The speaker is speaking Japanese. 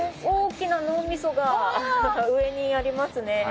大きな脳みそが上にありますね。